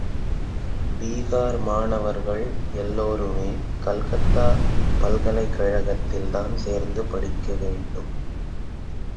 பீகார் மாணவர்கள் எல்லாருமே கல்கத்தா பல்கலைக் கழகத்தில்தான் சேர்ந்து படிக்க வேண்டும்!